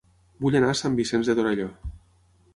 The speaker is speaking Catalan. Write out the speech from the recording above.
Vull anar a Sant Vicenç de Torelló